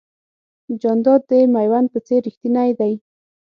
جانداد د مېوند په څېر رښتینی دی.